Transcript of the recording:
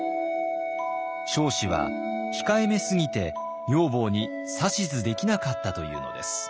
彰子は控えめすぎて女房に指図できなかったというのです。